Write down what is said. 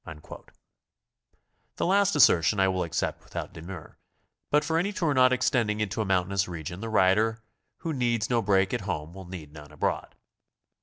'' The last assertion I will accept without demur, but for any tour not extending into a mountainous region the rider who needs no brake at home, will need none abroad.